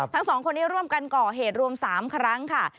ทั้งสองคนนี้ร่วมกันก่อเหตุรวม๓ครั้งค่ะ